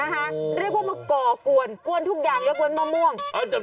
เรียกว่ามาก่อกวนกวนทุกอย่างยกกวนมะม่วง